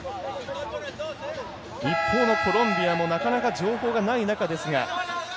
一方のコロンビアもなかなか情報がない中ですが。